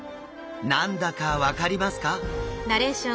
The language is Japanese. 何だか分かりますか？